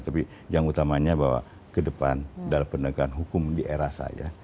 tapi yang utamanya bahwa ke depan dalam penegakan hukum di era saya